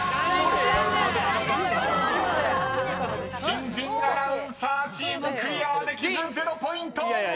［新人アナウンサーチームクリアできず０ポイント！］